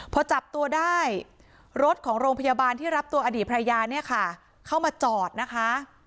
พอจับตัวได้รถของโรงพยาบาลที่รับตัวอดีตภรรยาเนี่ยค่ะเข้ามาจอดนะคะ